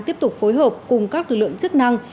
tiếp tục phối hợp cùng các lực lượng chức năng